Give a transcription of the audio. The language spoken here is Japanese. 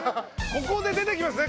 ここで出てきますね